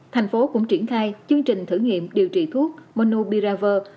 thành phố cũng triển thai chương trình thử nghiệm điều trị thuốc monopiravir